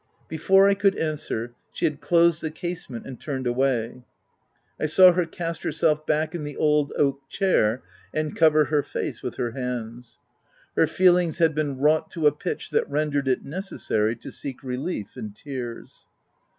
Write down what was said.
Before I could answer, she had closed the casement and turned away. I saw her cast her self back in the old oak chair, and cover her face with her hands. Her feelings had been wrought to a pitch that rendered it necessary to seek re lief in tears.